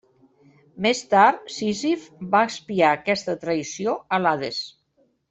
Més tard, Sísif va expiar aquesta traïció a l'Hades.